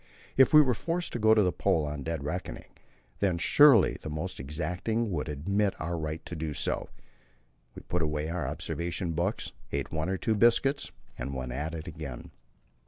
If we were forced to go to the Pole on dead reckoning, then surely the most exacting would admit our right to do so. We put away our observation books, ate one or two biscuits, and went at it again.